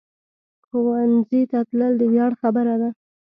ښوونځی ته تلل د ویاړ خبره ده